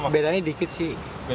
bedanya dikit sih